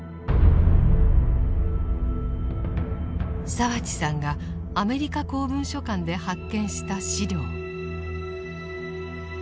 澤地さんがアメリカ公文書館で発見した資料。